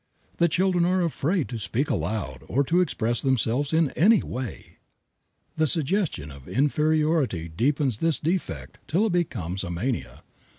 The children are afraid to speak aloud or to express themselves in any way. The suggestion of inferiority deepens this defect till it becomes a mania.